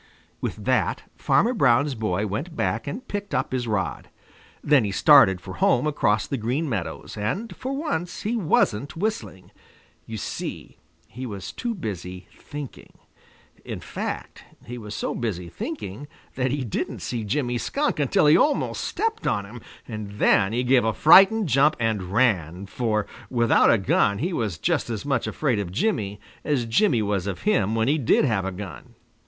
With that, Farmer Brown's boy went back and picked up his rod. Then he started for home across the Green Meadows, and for once he wasn't whistling. You see, he was too busy thinking. In fact, he was so busy thinking that he didn't see Jimmy Skunk until he almost stepped on him, and then he gave a frightened jump and ran, for without a gun he was just as much afraid of Jimmy as Jimmy was of him when he did have a gun.